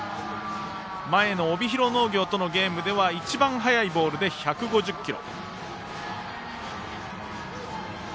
前の帯広農業とのゲームでは一番速いボールで１５０キロ。